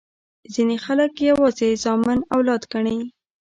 ځیني خلګ یوازي زامن اولاد ګڼي.